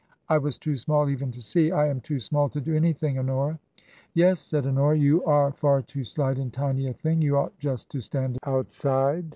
" I was too small even to see — I am too small to do anything, Honora !"" Yes," said Honora, " you are far too slight and tiny a thing. You ought just to stand outside."